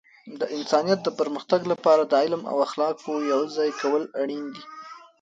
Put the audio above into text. د انسانیت د پرمختګ لپاره د علم او اخلاقو یوځای کول اړین دي.